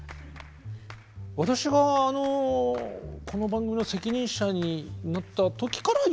私があのこの番組の責任者になった時から言ってましたからね。